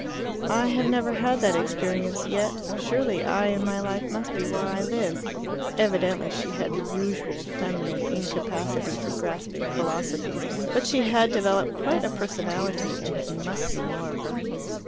"I have never had that experience yet. Surely I and my life must be where I live." Evidently she had the usual feminine incapacity for grasping philosophy. But she had developed quite a personality, and he must see more of her.